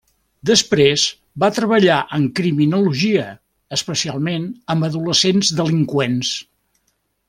Després va treballar en criminologia, especialment amb adolescents delinqüents.